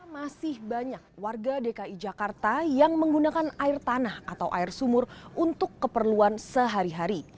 masih banyak warga dki jakarta yang menggunakan air tanah atau air sumur untuk keperluan sehari hari